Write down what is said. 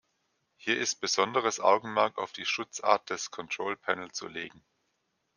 Hier ist besonderes Augenmerk auf die Schutzart des Control Panel zu legen.